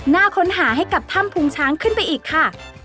หน้าค้นหาให้กับถ้ำพุงช้างขึ้นไปอีกค่ะ